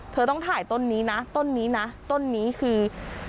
เธอต้องถ่ายต้นนี้นะต้นนี้นะต้นนี้คือ